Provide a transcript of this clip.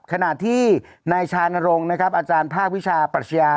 ขณะที่นายชานรงค์นะครับอาจารย์ภาควิชาปรัชญา